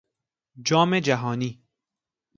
جام جهانی